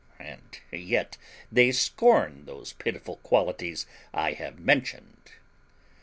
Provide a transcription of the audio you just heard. and yet they scorn those pitiful qualities I have mentioned.